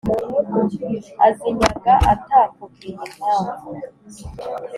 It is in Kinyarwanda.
azinyaga atakubwiye impamvu